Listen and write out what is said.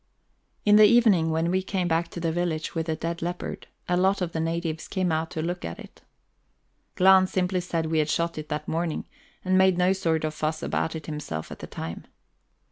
In the evening, when we came back to the village with the dead leopard, a lot of the natives came out to look at it. Glahn simply said we had shot it that morning, and made no sort of fuss about it himself at the time.